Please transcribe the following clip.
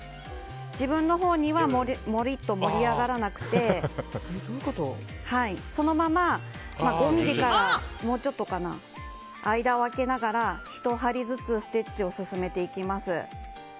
自分のほうには盛り上がらなくてそのまま５ｍｍから、もうちょっとかな間を空けながら１針ずつステッチを進めていきます。